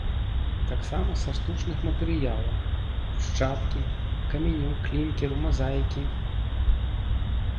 Таксама са штучных матэрыялаў: брусчаткі, каменю, клінкеру, мазаікі